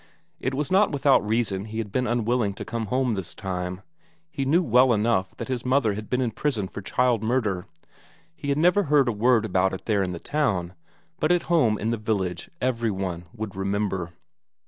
It was not without reason he had been unwilling to come home this time; he knew well enough that his mother had been in prison for child murder; he had never heard a word about it there in the town, but at home in the village every one would remember.